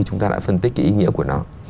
chúng ta đã phân tích cái ý nghĩa của nó